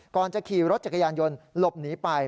ก่อนจะขี่รถจักรยานยนต์หลบหนีไป